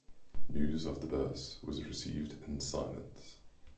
News of the birth was received in silence.